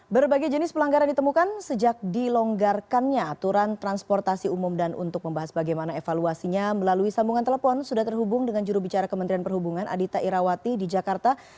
berbagai jenis pelanggaran ditemukan sejak dilonggarkannya aturan transportasi umum dan untuk membahas bagaimana evaluasinya melalui sambungan telepon sudah terhubung dengan jurubicara kementerian perhubungan adita irawati di jakarta